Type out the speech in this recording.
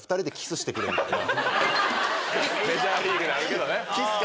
メジャーリーグであるけどね。